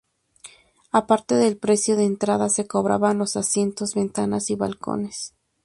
Aparte del precio de entrada se cobraban los asientos, ventanas y balcones.